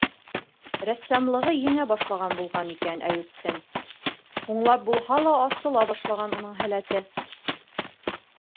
- Рәссамлығы еңә башлаған булған икән Әйүптең... һуңлап булһа ла асыла башлаған уның һәләте...